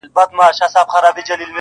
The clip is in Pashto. • اوس هغه شیخان په ښکلیو کي لوبیږي -